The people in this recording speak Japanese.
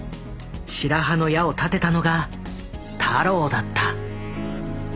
白羽の矢を立てたのが太郎だった。